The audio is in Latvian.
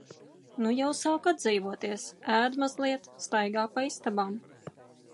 Nu jau sāk atdzīvoties - ēd mazliet, staigā pa istabām.